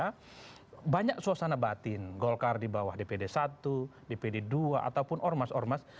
ketua umum ini sosana batin golkar di bawah dpd i dpd ii ataupun ormas ormas